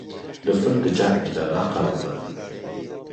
Nifir di carekî de naqewime